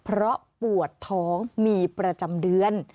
เพราะปวดท้องมีประจำเดือน